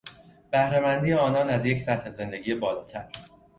بهره مندی آنان از یک سطح زندگی بالاتر